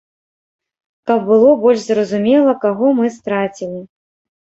Каб было больш зразумела, каго мы страцілі.